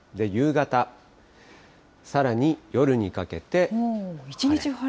夕方、さらに夜にかけて。